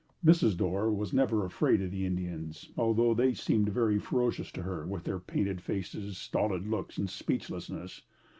Mrs. Dorr was never afraid of the Indians, although they seemed very ferocious to her with their painted faces, stolid looks and speechlessness.